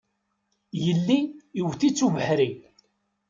Yelli iwet-itt ubeḥri.